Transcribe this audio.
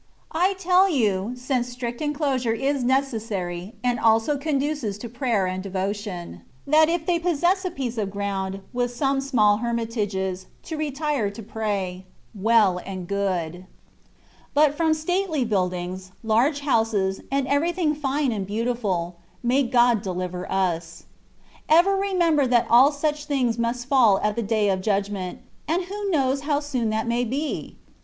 I tell you (since strict enclosure is neces sary, and also conduces to prayer and devotion), that if they possess a piece of ground, with some small hermitages, to retire to prayer, well and good; THE WAY OF PERFECTION. 9 but from stately buildings, large houses, and every thing fine and beautifiil, may God deliver us. Ever remember that all such places must fall at the day of judgment ; and who knows how soon that may be